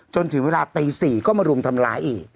จนถึงเวลาตี๔ก็มารุมทำร้ายอีก